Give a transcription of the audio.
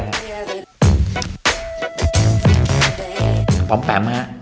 ป๊อปปี่ป์อาหาร